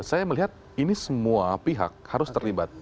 saya melihat ini semua pihak harus terlibat